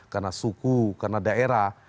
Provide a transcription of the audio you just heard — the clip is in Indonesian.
karena suku karena daerah